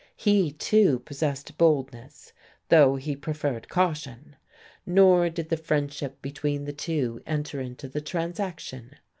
He, too, possessed boldness, though he preferred caution. Nor did the friendship between the two enter into the transaction.